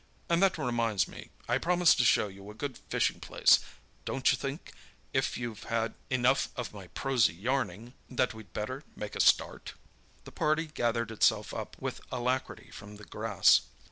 And that reminds me, I promised to show you a good fishing place. Don't you think, if you've had enough of my prosy yarning, that we'd better make a start?" The party gathered itself up with alacrity from the grass.